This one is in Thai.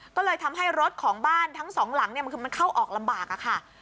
ก็เลยทำให้รถของบ้านทั้งสองหลังเนี่ยมันคือมันเข้าออกลำบากอะค่ะ